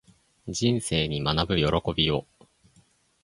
人生に学ぶ喜びを